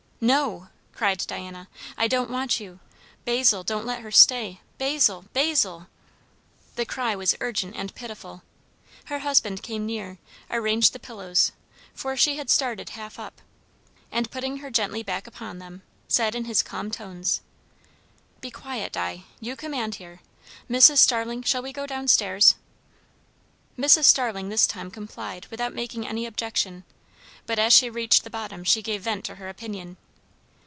"No," cried Diana. "I don't want you. Basil, don't let her stay. Basil, Basil!" The cry was urgent and pitiful. Her husband came near, arranged the pillows, for she had started half up; and putting her gently back upon them, said in his calm tones, "Be quiet, Di; you command here. Mrs. Starling, shall we go down stairs?" Mrs. Starling this time complied without making any objection; but as she reached the bottom she gave vent to her opinion.